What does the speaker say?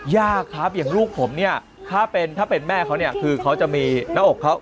ยากครับอย่างลูกผมเนี่ยถ้าเป็นแม่เขาเนี่ยคือเขาจะมีหน้าอกเขา